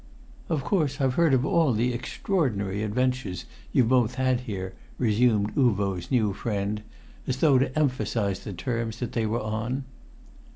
"Of course I've heard of all the extraordinary adventures you've both had here," resumed Uvo's new friend, as though to emphasise the terms that they were on.